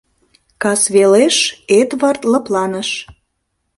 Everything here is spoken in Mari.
Касвелеш Эдвард лыпланыш.